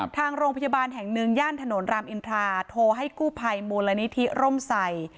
ทางโรงพยาบาลแห่งหนึ่งย่านถนนรามอินทราโทรให้กู้ภัยมูลนิธิร่มใส่